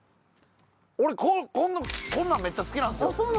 俺こんなんめっちゃ好きなんですよ。